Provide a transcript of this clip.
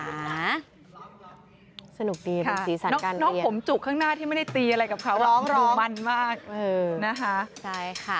น้องผมจุกข้างหน้าที่ไม่ได้ตีอะไรกับเขาดูมันมากนะคะ